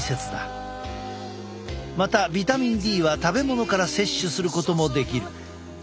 またビタミンＤは食べ物から摂取することもできる。